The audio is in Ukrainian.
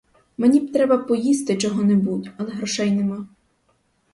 Мені б треба поїсти чого-небудь, але грошей нема.